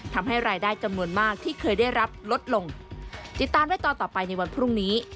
ทำให้รายได้จำนวนมากที่เคยได้รับลดลงติดตามได้ตอนต่อไปในวันพรุ่งนี้